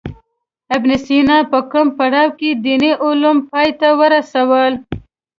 ابن سینا په کوم پړاو کې دیني علوم پای ته ورسول.